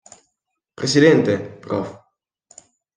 Presidente: Prof.